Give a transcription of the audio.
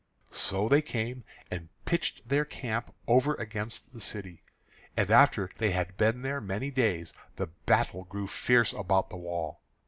So they came and pitched their camp over against the city. And after they had been there many days, the battle grew fierce about the wall.